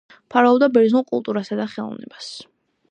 მფარველობდა ბერძნულ კულტურასა და ხელოვნებას.